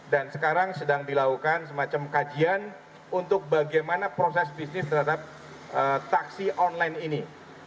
dan sekarang sedang dilakukan semacam kajian untuk bagaimana proses bisnis terhadap taksi online ini